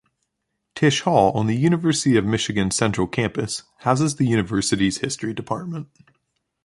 Tisch Hall, on the University of Michigan central campus, houses that university's history department.